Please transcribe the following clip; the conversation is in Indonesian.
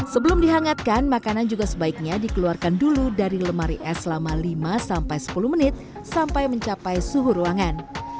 sebelum dihangatkan makanan juga sebaiknya dikeluarkan dulu dari lemari es selama lima sampai sepuluh menit sampai mencapai suhu ruangan